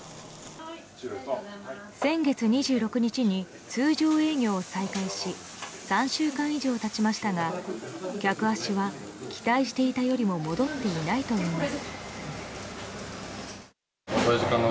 先月２６日に通常営業を再開し３週間以上経ちましたが客足は期待していたよりも戻っていないといいます。